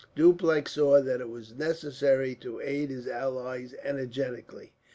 Dupleix saw that it was necessary to aid his allies energetically.